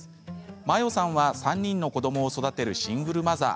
万葉さんは３人の子どもを育てるシングルマザー。